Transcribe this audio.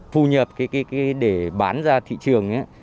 phù nhập để bán ra thị trường